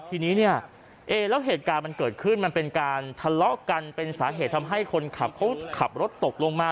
ทีนี้เนี่ยเอ๊แล้วเหตุการณ์มันเกิดขึ้นมันเป็นการทะเลาะกันเป็นสาเหตุทำให้คนขับเขาขับรถตกลงมา